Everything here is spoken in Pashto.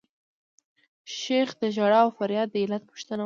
شیخ د ژړا او فریاد د علت پوښتنه وکړه.